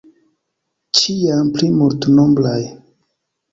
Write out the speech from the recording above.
Ĉiam pli multnombraj.